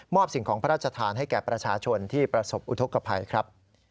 สิ่งของพระราชทานให้แก่ประชาชนที่ประสบอุทธกภัยครับ